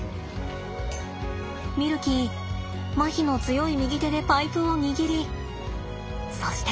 ミルキーまひの強い右手でパイプを握りそして。